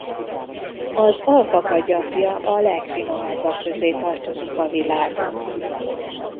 Az alpaka gyapja a legfinomabbak közé tartozik a világon.